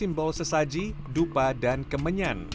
simbol sesaji dupa dan kemenyan